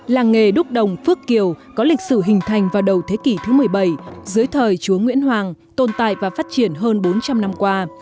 làng nghề đúc đồng phước kiều có lịch sử hình thành vào đầu thế kỷ thứ một mươi bảy dưới thời chúa nguyễn hoàng tồn tại và phát triển hơn bốn trăm linh năm qua